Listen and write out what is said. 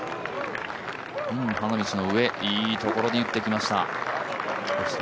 花道の上、いいところに打ってきました。